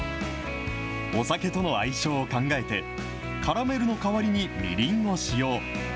お酒との相性を考えて、カラメルの代わりにみりんを使用。